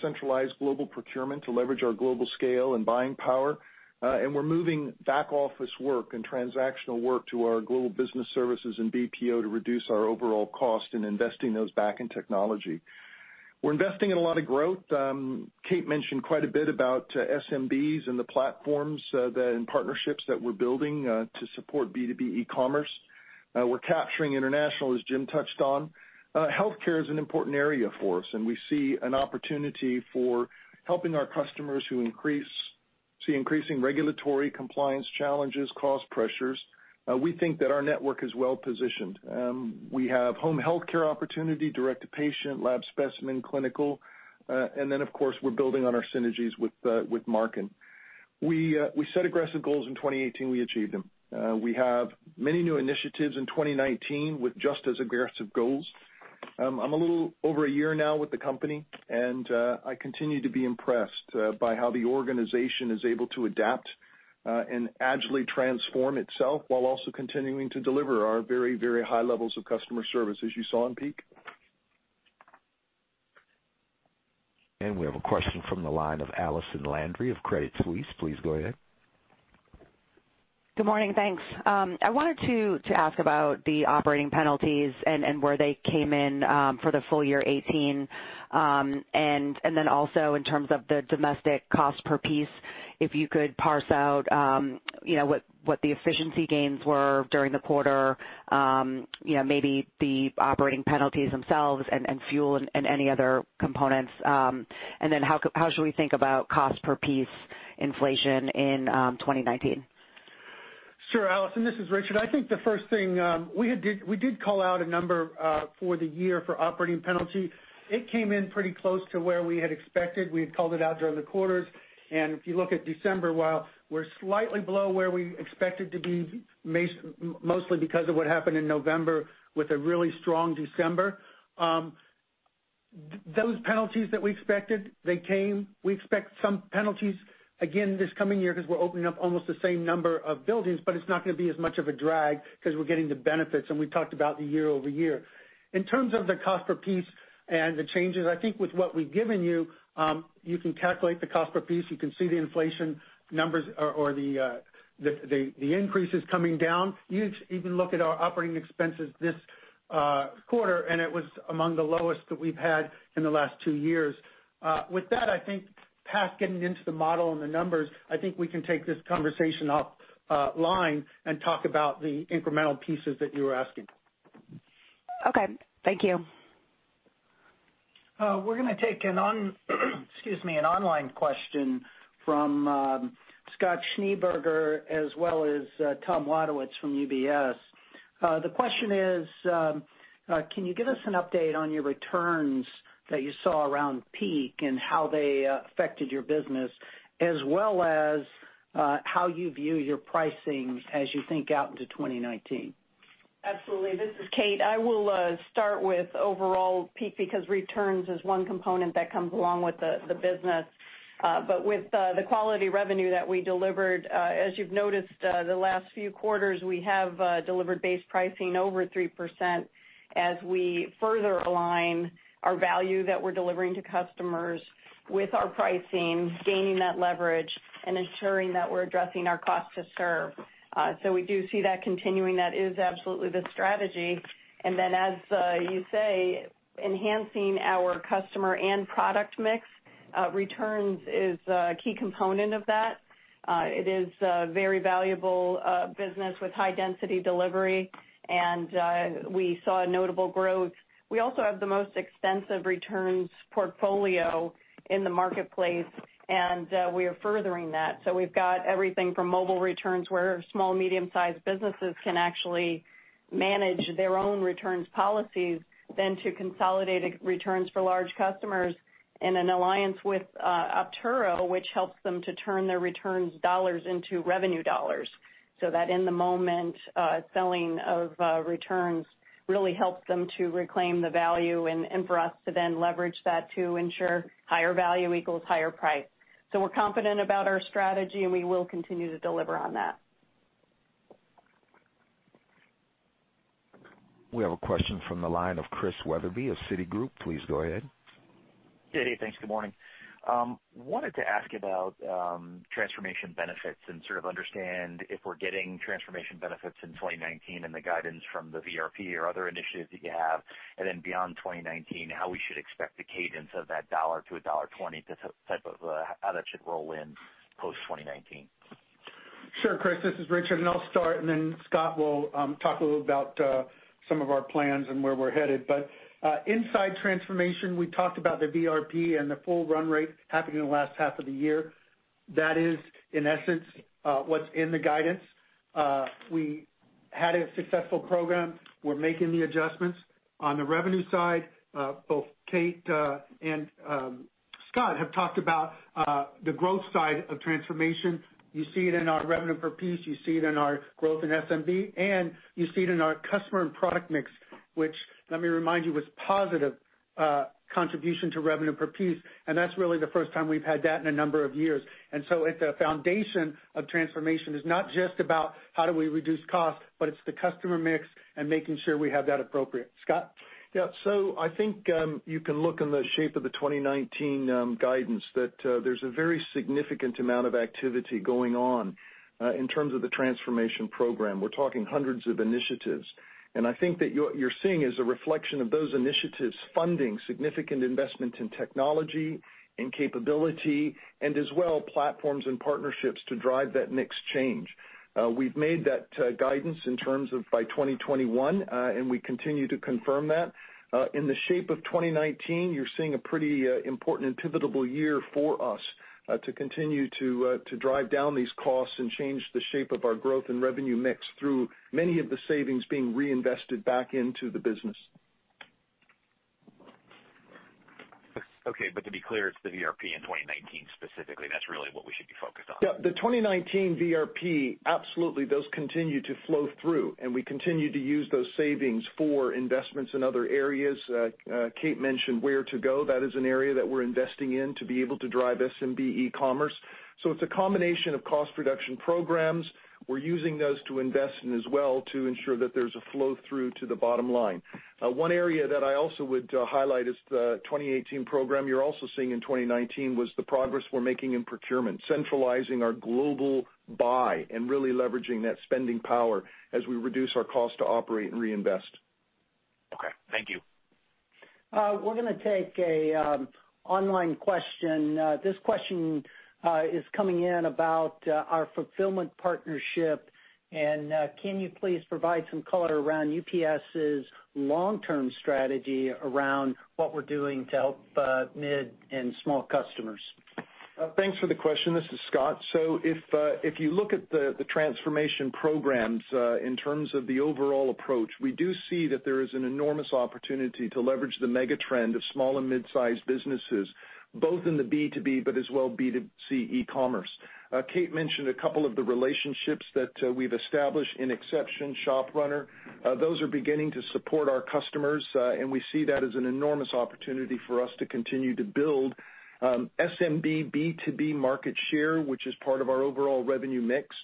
Centralized global procurement to leverage our global scale and buying power. We're moving back office work and transactional work to our global business services and BPO to reduce our overall cost in investing those back in technology. We're investing in a lot of growth. Kate mentioned quite a bit about SMBs and the platforms and partnerships that we're building to support B2B e-commerce. We're capturing international, as Jim touched on. Healthcare is an important area for us. We see an opportunity for helping our customers who see increasing regulatory compliance challenges, cost pressures. We think that our network is well-positioned. We have home healthcare opportunity, direct-to-patient, lab specimen, clinical. Of course, we're building on our synergies with Marken. We set aggressive goals in 2018. We achieved them. We have many new initiatives in 2019 with just as aggressive goals. I'm a little over a year now with the company. I continue to be impressed by how the organization is able to adapt and agilely transform itself while also continuing to deliver our very, very high levels of customer service as you saw in peak. We have a question from the line of Allison Landry of Credit Suisse. Please go ahead. Good morning, thanks. I wanted to ask about the operating penalties and where they came in for the full year 2018. Also in terms of the domestic cost per piece, if you could parse out what the efficiency gains were during the quarter, maybe the operating penalties themselves and fuel and any other components. How should we think about cost per piece inflation in 2019? Sure, Allison, this is Richard. I think the first thing, we did call out a number for the year for operating penalty. It came in pretty close to where we had expected. We had called it out during the quarters. If you look at December, while we're slightly below where we expected to be mostly because of what happened in November with a really strong December. Those penalties that we expected, they came. We expect some penalties again this coming year because we're opening up almost the same number of buildings, but it's not going to be as much of a drag because we're getting the benefits, and we talked about the year-over-year. In terms of the cost per piece and the changes, I think with what we've given you can calculate the cost per piece. You can see the inflation numbers or the increases coming down. You even look at our operating expenses this quarter, it was among the lowest that we've had in the last two years. With that, I think past getting into the model and the numbers, I think we can take this conversation offline and talk about the incremental pieces that you were asking. Okay. Thank you. We're going to take an online question from Scott Schneeberger as well as Tom Wadewitz from UBS. The question is, can you give us an update on your returns that you saw around peak and how they affected your business, as well as how you view your pricing as you think out into 2019? Absolutely. This is Kate. I will start with overall peak because returns is one component that comes along with the business. With the quality revenue that we delivered, as you've noticed the last few quarters, we have delivered base pricing over 3% as we further align our value that we're delivering to customers with our pricing, gaining that leverage, and ensuring that we're addressing our cost to serve. We do see that continuing. That is absolutely the strategy. As you say, enhancing our customer and product mix, returns is a key component of that. It is a very valuable business with high-density delivery, and we saw a notable growth. We also have the most extensive returns portfolio in the marketplace, and we are furthering that. We've got everything from mobile returns where small, medium-sized businesses can actually manage their own returns policies, then to consolidated returns for large customers in an alliance with Optoro, which helps them to turn their returns dollars into revenue dollars. That in-the-moment selling of returns really helps them to reclaim the value and for us to then leverage that to ensure higher value equals higher price. We're confident about our strategy, and we will continue to deliver on that. We have a question from the line of Chris Wetherbee of Citigroup. Please go ahead. Hey. Thanks. Good morning. Wanted to ask about transformation benefits and sort of understand if we're getting transformation benefits in 2019 and the guidance from the VRP or other initiatives that you have, and then beyond 2019, how we should expect the cadence of that $1.00-$1.20, how that should roll in post 2019. Sure, Chris. This is Richard, and I'll start, and then Scott will talk a little about some of our plans and where we're headed. Inside transformation, we talked about the VRP and the full run rate happening in the last half of the year. That is, in essence, what's in the guidance. We had a successful program. We're making the adjustments. On the revenue side, both Kate and Scott have talked about the growth side of transformation. You see it in our revenue per piece. You see it in our growth in SMB, and you see it in our customer and product mix, which let me remind you, was positive contribution to revenue per piece, and that's really the first time we've had that in a number of years. At the foundation of transformation is not just about how do we reduce cost, but it's the customer mix and making sure we have that appropriate. Scott? Yeah. I think you can look in the shape of the 2019 guidance that there's a very significant amount of activity going on in terms of the transformation program. We're talking hundreds of initiatives, and I think that what you're seeing is a reflection of those initiatives funding significant investments in technology and capability and as well platforms and partnerships to drive that mix change. We've made that guidance in terms of by 2021, and we continue to confirm that. In the shape of 2019, you're seeing a pretty important and pivotable year for us to continue to drive down these costs and change the shape of our growth and revenue mix through many of the savings being reinvested back into the business. Okay. To be clear, it's the VRP in 2019 specifically, that's really what we should be focused on. Yeah, the 2019 VRP, absolutely, those continue to flow through, and we continue to use those savings for investments in other areas. Kate mentioned Ware2Go. That is an area that we're investing in to be able to drive SMB e-commerce. It's a combination of cost reduction programs. We're using those to invest in as well to ensure that there's a flow through to the bottom line. One area that I also would highlight is the 2018 program you're also seeing in 2019 was the progress we're making in procurement, centralizing our global buy and really leveraging that spending power as we reduce our cost to operate and reinvest. Okay. Thank you. We're going to take an online question. This question is coming in about our fulfillment partnership, and can you please provide some color around UPS's long-term strategy around what we're doing to help mid and small customers? Thanks for the question. This is Scott Price. If you look at the transformation programs in terms of the overall approach, we do see that there is an enormous opportunity to leverage the mega trend of small and mid-sized businesses, both in the B2B, but as well B2C e-commerce. Kate Gutmann mentioned a couple of the relationships that we've established in Inxeption, ShopRunner. Those are beginning to support our customers, and we see that as an enormous opportunity for us to continue to build SMB B2B market share, which is part of our overall revenue mix.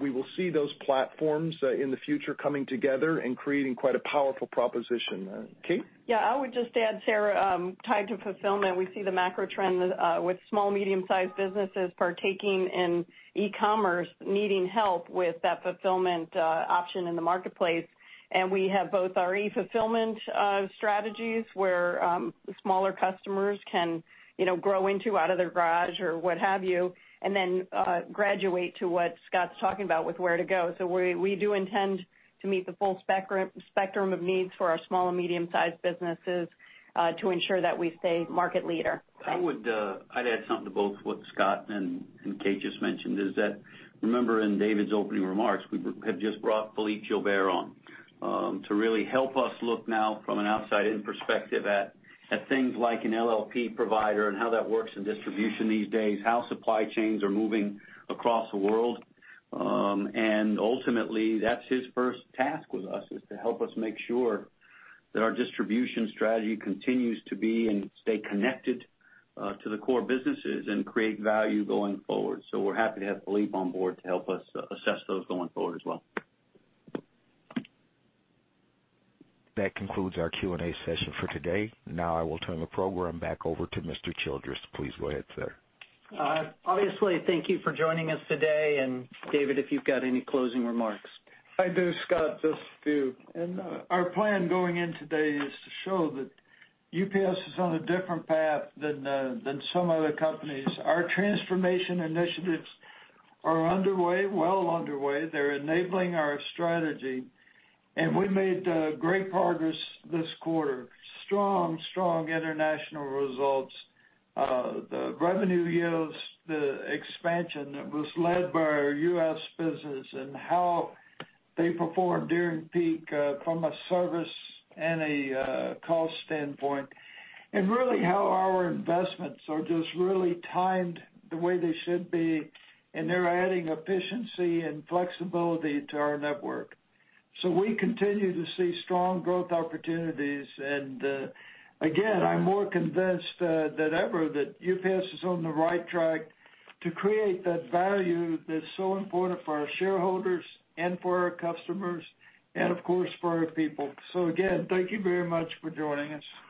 We will see those platforms in the future coming together and creating quite a powerful proposition. Kate? Yeah, I would just add, Sarah, tied to fulfillment, we see the macro trend with small, medium-sized businesses partaking in e-commerce needing help with that fulfillment option in the marketplace. We have both our e-fulfillment strategies where smaller customers can grow into out of their garage or what have you, and then graduate to what Scott Price's talking about with Ware2Go. We do intend to meet the full spectrum of needs for our small and medium-sized businesses to ensure that we stay market leader. Okay. I'd add something to both what Scott Price and Kate Gutmann just mentioned, is that remember in David Abney's opening remarks, we have just brought Philippe Gilbert on to really help us look now from an outside-in perspective at things like an LLP provider and how that works in distribution these days, how supply chains are moving across the world. Ultimately, that's his first task with us, is to help us make sure that our distribution strategy continues to be and stay connected to the core businesses and create value going forward. We're happy to have Philippe Gilbert on board to help us assess those going forward as well. That concludes our Q&A session for today. I will turn the program back over to Mr. Scott Childress. Please go ahead, sir. Obviously, thank you for joining us today. David, if you've got any closing remarks. I do, Scott. Our plan going in today is to show that UPS is on a different path than some other companies. Our transformation initiatives are underway. They're enabling our strategy. We made great progress this quarter. Strong international results. The revenue yields, the expansion that was led by our U.S. business and how they performed during peak from a service and a cost standpoint, and really how our investments are timed the way they should be, and they're adding efficiency and flexibility to our network. We continue to see strong growth opportunities. Again, I'm more convinced than ever that UPS is on the right track to create that value that's so important for our shareholders and for our customers and of course, for our people. Again, thank you very much for joining us.